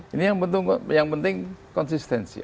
ini yang penting konsistensi